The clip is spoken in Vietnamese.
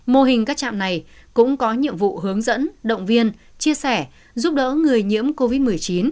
mô hình các trạm này cũng có nhiệm vụ hướng dẫn động viên chia sẻ giúp đỡ người nhiễm covid một mươi chín